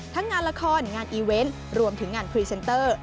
งานละครงานอีเวนต์รวมถึงงานพรีเซนเตอร์